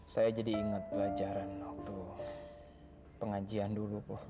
saya jadi ingat pelajaran waktu pengajian dulu